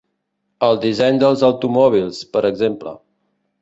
El disseny dels automòbils, per exemple.